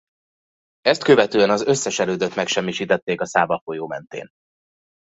Ezt követően az összes erődöt megsemmisítették a Száva folyó mentén.